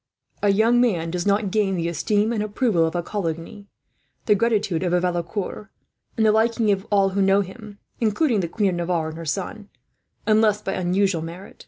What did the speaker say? A young man does not gain the esteem and approval of a Coligny, the gratitude of a Valecourt, and the liking of all who know him including the Queen of Navarre and her son unless by unusual merit.